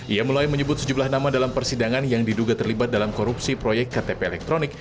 ia mulai menyebut sejumlah nama dalam persidangan yang diduga terlibat dalam korupsi proyek ktp elektronik